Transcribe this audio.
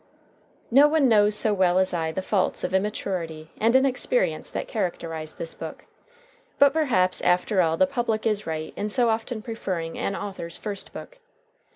No one knows so well as I the faults of immaturity and inexperience that characterize this book. But perhaps after all the public is right in so often preferring an author's first book.